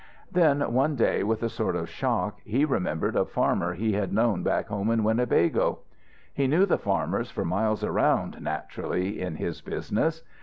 Then, one day, with a sort of shock, he remembered a farmer he had known back home in Winnebago. He knew the farmers for miles around, naturally, in his business.